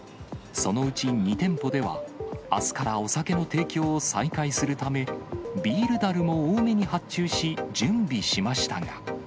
そのうち２店舗では、あすからお酒の提供を再開するため、ビールだるも多めに発注し、準備しましたが。